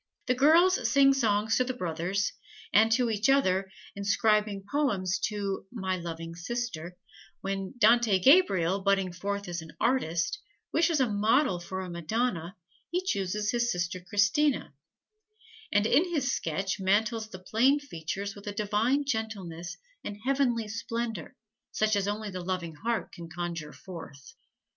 The girls sing songs to the brothers, and to each other, inscribing poems to "my loving sister"; when Dante Gabriel, budding forth as artist, wishes a model for a Madonna, he chooses his sister Christina, and in his sketch mantles the plain features with a divine gentleness and heavenly splendor such as only the loving heart can conjure forth.